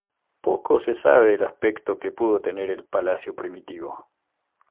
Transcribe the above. Poco se sabe del aspecto que pudo tener el palacio primitivo.